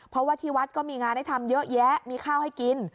เพราะว่าที่วัดก็มีงานให้ทำเยอะแยะมีข้าวให้กิน